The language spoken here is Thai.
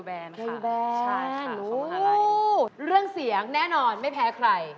เรื่องเสียงแน่นอนไม่แพ้ใคร